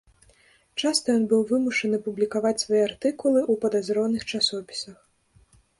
Часта ён быў вымушаны публікаваць свае артыкулы ў падазроных часопісах.